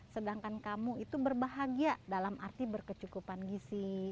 sedangkan kamu itu berbahagia dalam arti berkecukupan gisi